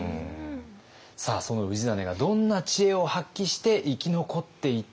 その氏真がどんな知恵を発揮して生き残っていったのか。